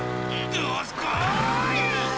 どすこい！